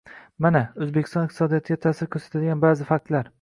Mana, O'zbekiston iqtisodiyotiga ta'sir ko'rsatadigan ba'zi faktlar: